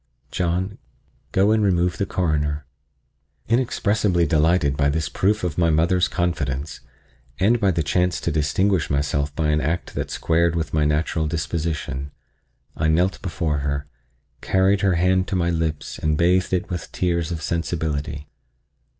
John, go and remove the Coroner." Inexpressibly delighted by this proof of my mother's confidence, and by the chance to distinguish myself by an act that squared with my natural disposition, I knelt before her, carried her hand to my lips and bathed it with tears of sensibility.